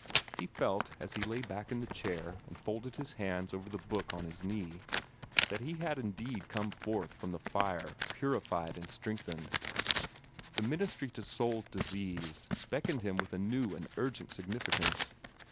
He felt, as he lay back in the chair, and folded his hands over the book on his knee, that he had indeed come forth from the fire purified and strengthened. The ministry to souls diseased beckoned him with a new and urgent significance.